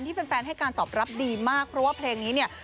แฟนให้การตอบรับดีมากเพราะว่าเพลงนี้เนี่ย